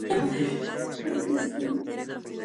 Nota periodística y entrevista a Ana Paula sobre su regreso.